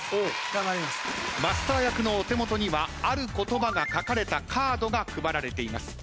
マスター役のお手元にはある言葉が書かれたカードが配られています。